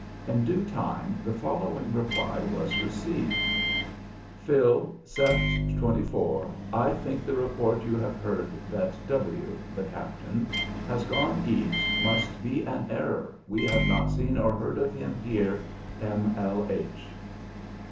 In due time, the following reply was received: "Phil Sept 24 I think the report you have heard that W [the Captain] has gone East must be an error we have not seen or heard of him here M L H."